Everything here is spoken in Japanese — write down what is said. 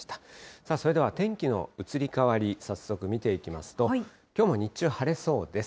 さあ、それでは天気の移り変わり、早速見ていきますと、きょうも日中、晴れそうです。